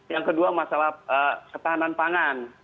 yang kedua masalah ketahanan pangan